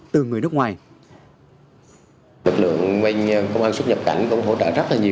từ người nước ngoài